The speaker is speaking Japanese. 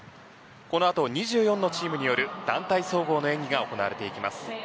このあと２４のチームによる団体総合の演技が行われていきます。